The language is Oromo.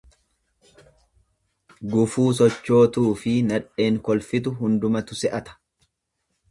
Gufuu sochootuufi nadheen kolfitu hundumatu se'ata.